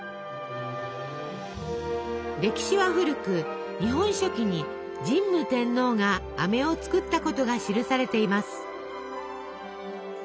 歴史は古く「日本書紀」に神武天皇があめを作ったことが記されています。